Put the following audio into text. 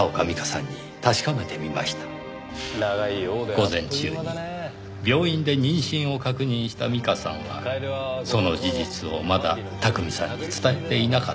午前中に病院で妊娠を確認した美加さんはその事実をまだ巧さんに伝えていなかった。